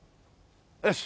よし。